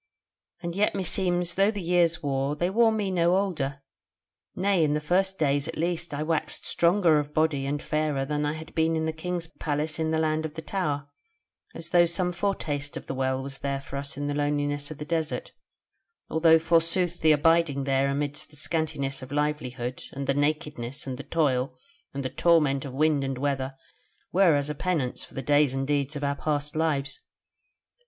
And yet meseems though the years wore, they wore me no older; nay, in the first days at least I waxed stronger of body and fairer than I had been in the King's Palace in the Land of the Tower, as though some foretaste of the Well was there for us in the loneliness of the desert; although forsooth the abiding there amidst the scantiness of livelihood, and the nakedness, and the toil, and the torment of wind and weather were as a penance for the days and deeds of our past lives.